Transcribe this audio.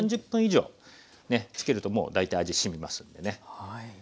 ３０分以上ねつけるともう大体味染みますんでね。